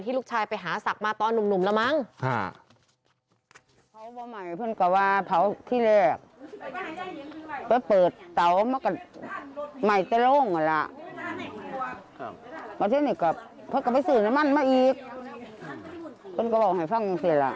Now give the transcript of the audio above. ที่ลูกชายไปหาสักมาตอนหนุ่มแล้วมั้ง